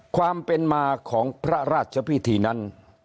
ความเป็นมาของพระราชพิธีนั้น